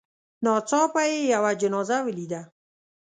ناڅاپه یې یوه جنازه ولیده.